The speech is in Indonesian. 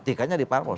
tiketnya dari parpol